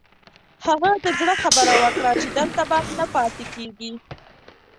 هغه د زړه خبره وکړه چې دلته به نه پاتې کېږي.